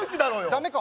ダメか。